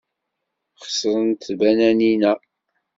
Xeṣrent tbananin-a.